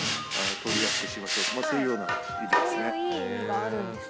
通りやすくしましょうそういうような意味ですね。